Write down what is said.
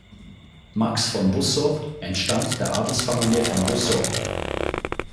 Max von Wussow entstammt der Adelsfamilie von Wussow.